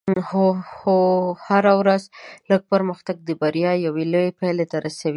هره ورځ لږ پرمختګ د بریا یوې لوېې پایلې ته رسوي.